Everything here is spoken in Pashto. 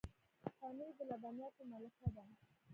پنېر د لبنیاتو ملکه ده.